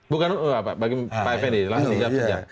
bukan apa bagi pak fd langsung jawab sejak